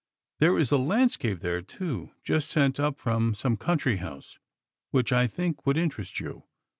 There is a landscape there, too, just sent up from some country house, which I think would interest you."